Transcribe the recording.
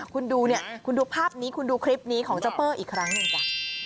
คุณดูเนี่ยคุณดูภาพนี้คุณดูคลิปนี้ของเจ้าเปอร์อีกครั้งหนึ่งจ้ะ